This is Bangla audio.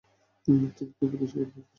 মুক্তিযোদ্ধাদের বেশির ভাগ ইপিআর সদস্য।